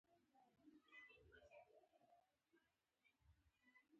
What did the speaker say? مجاهد د شریعت پلوۍ کوي.